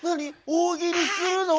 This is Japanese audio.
大喜利するの？